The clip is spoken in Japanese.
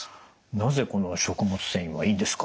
なぜこの食物繊維はいいんですか？